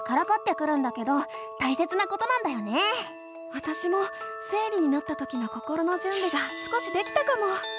わたしも生理になったときの心のじゅんびが少しできたかも。